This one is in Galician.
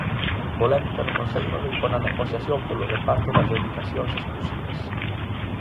Polémica no Concello de Lugo na negociación polo reparto das dedicacións exclusivas.